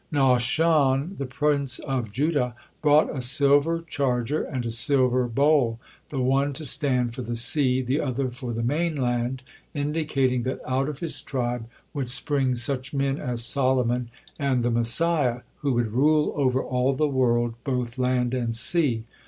Nahshon, the prince of Judah, brought a silver charger and a silver bowl, the one to stand for the sea, the other for the mainland, indicating that out of his tribe would spring such men as Solomon and the Messiah, who would rule over all the world, both land and sea.